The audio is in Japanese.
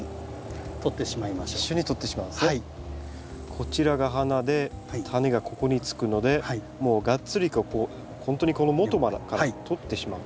こちらが花で種がここにつくのでもうがっつりほんとにこのもとから取ってしまうということですね。